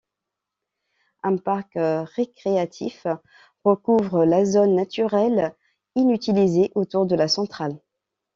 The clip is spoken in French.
Un parc récréatif recouvre la zone naturelle inutilisée autour de la centrale.